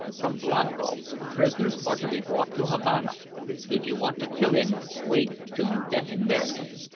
"From Blanco. Prisoners are to be brought to Havana. If you want to kill him, wait till you get him there."